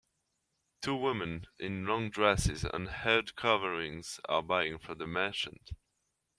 Two women in long dresses and head coverings are buying from a merchant.